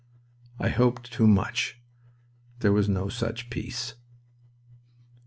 I hoped too much. There was no such peace.